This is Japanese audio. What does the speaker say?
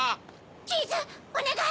チーズおねがい！